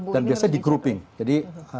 dan biasanya di grouping jadi